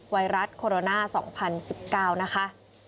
ไวรัสโคโรนา๒๐๑๙นะคะ